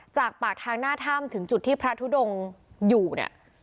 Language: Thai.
จากปากทางหน้าถ้ำถึงจุดที่พระทุดงอยู่เนี่ย